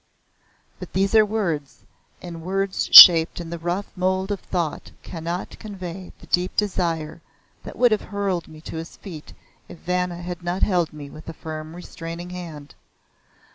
But these are words, and words shaped in the rough mould of thought cannot convey the deep desire that would have hurled me to his feet if Vanna had not held me with a firm restraining hand.